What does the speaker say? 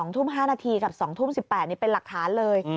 ๒ทุ่ม๕นาทีกับ๒ทุ่ม๑๘เป็นหลักฐานเลย